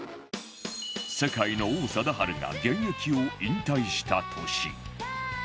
世界の王貞治が現役を引退した年